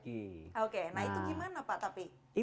oke nah itu gimana pak tapi